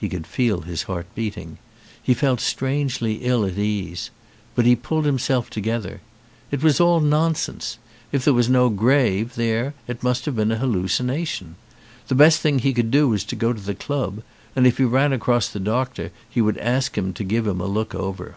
He could feel his heart beating. He felt strangely ill at ease. But he pulled himself together. It was all nonsense. If there was no grave there it must have been an hallucination. The best thing he could do was to go to the club, and if he ran across the doctor he would ask him to give him a look over.